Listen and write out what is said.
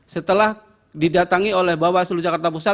setelah didatangi oleh bawaslu jakarta pusat